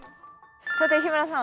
さて日村さん。